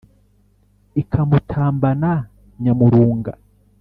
Ikamutambana Nyamurunga.